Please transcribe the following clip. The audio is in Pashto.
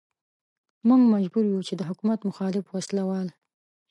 موږ مجبور يو چې د حکومت مخالف وسله وال.